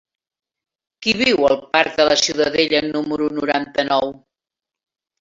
Qui viu al parc de la Ciutadella número noranta-nou?